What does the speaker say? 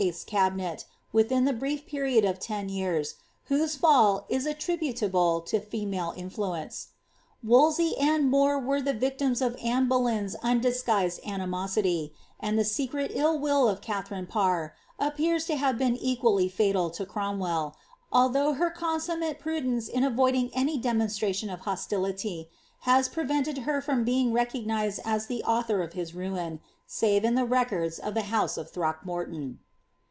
's cabinet, l>rief period of ten years, whose fall is attributable to female Wolsey and More were the victims of Anne Boleyn's undis losily, and the spcret ill will of Katharine Parr appears to equally fatal to Cromwell, although her consummate pru oiding any demonstration of hostility has prevented her from nised as the author of his ruin, save in the records of the irockmnrton.